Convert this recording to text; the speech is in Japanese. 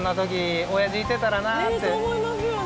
ねえそう思いますよね。